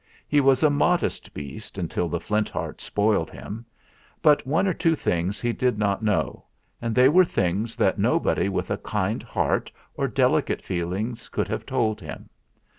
He was a modest beast until the Flint Heart spoiled him; but one or two things he did not know, and they were things that nobody with a kind heart or delicate feelings could have told him.